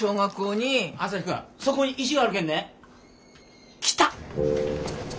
・朝陽君そこに石があるけんね。来た。